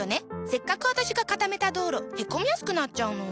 せっかく私が固めた道路へこみやすくなっちゃうの。